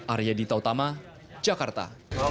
arya dita utama jakarta